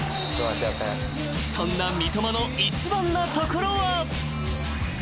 ［そんな三笘の一番なところは］